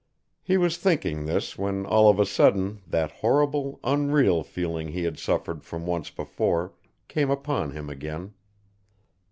He was thinking this when all of a sudden that horrible, unreal feeling he had suffered from once before, came upon him again.